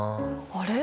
あれ？